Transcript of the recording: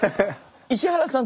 石原さん